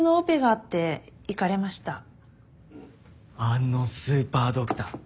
あのスーパードクター